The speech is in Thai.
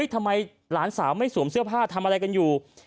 ทำไมหลานสาวไม่สวมเสื้อผ้าทำอะไรกันอยู่